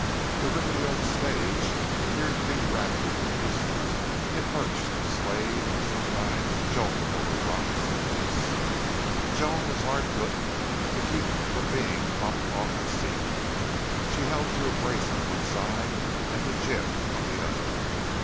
The rickety old stage appeared to be rattling to pieces. It lurched and swayed, and sometimes jolted over rocks and roots. Joan was hard put to it to keep from being bumped off the seat. She held to a brace on one side and to Jim on the other.